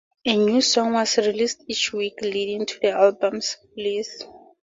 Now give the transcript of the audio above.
A new song was released each week leading to the album's release.